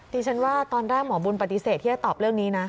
ดิฉันว่าตอนแรกหมอบุญปฏิเสธที่จะตอบเรื่องนี้นะ